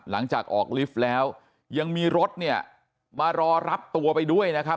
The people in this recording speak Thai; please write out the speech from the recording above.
หลังจากออกลิฟต์แล้วยังมีรถเนี่ยมารอรับตัวไปด้วยนะครับ